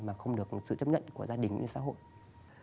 mà không được sự chấp nhận của gia đình như xã hội